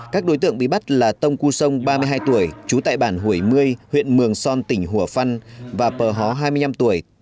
các đối tượng bị bắt là tông cu sông ba mươi hai tuổi trú tại bản hủy một mươi huyện mường son tỉnh hùa phân và pờ hó hai mươi năm tuổi